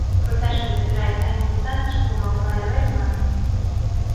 Procesos electorais tan importantes como o que vai haber en maio.